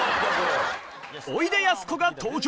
おいでやすこが登場。